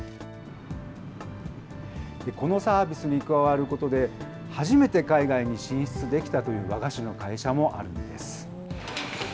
このサービスに加わることで、初めて海外に進出できたという和菓子の会社もあるんです。